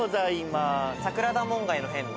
桜田門外の変の。